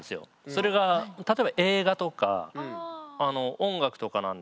それが例えば映画とか音楽とかなんですけど。